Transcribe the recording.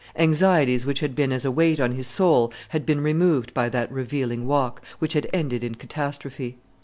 Anxieties which had been as a weight on his soul had been removed by that revealing walk, which had ended in catastrophe.